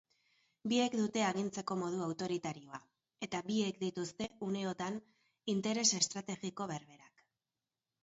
Biek dute agintzeko modu autoritarioa eta biek dituzte uneotan interes estrategiko berberak.